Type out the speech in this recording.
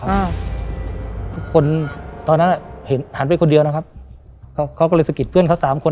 อ่าทุกคนตอนนั้นอ่ะเห็นหันไปคนเดียวนะครับเขาเขาก็เลยสะกิดเพื่อนเขาสามคน